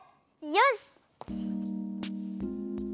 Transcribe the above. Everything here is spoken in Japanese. よし！